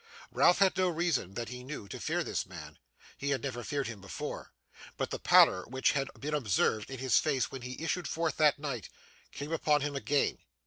Ralph had no reason, that he knew, to fear this man; he had never feared him before; but the pallor which had been observed in his face when he issued forth that night, came upon him again.